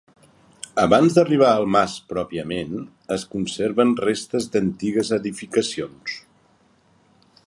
Abans d'arribar al mas pròpiament, es conserven restes d'antigues edificacions.